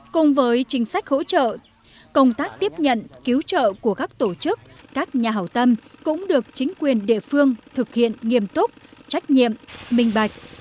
cùng với chính sách hỗ trợ công tác tiếp nhận cứu trợ của các tổ chức các nhà hảo tâm cũng được chính quyền địa phương thực hiện nghiêm túc trách nhiệm minh bạch